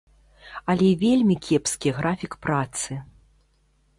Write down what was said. Але вельмі кепскі графік працы.